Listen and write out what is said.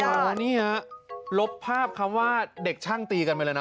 นี่ฮะลบภาพคำว่าเด็กช่างตีกันไปเลยนะ